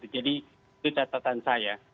jadi itu catatan saya